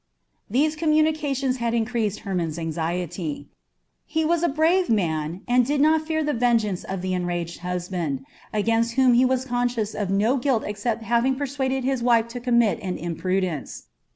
These communications had increased Hermon's anxiety. He was a brave man, and did not fear the vengeance of the enraged husband, against whom he was conscious of no guilt except having persuaded his wife to commit an imprudence.